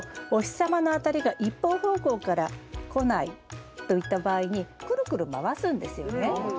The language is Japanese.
様の当たりが一方方向から来ないといった場合にくるくる回すんですよね。